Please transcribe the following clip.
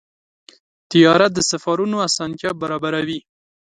طیاره د سفرونو اسانتیا برابروي.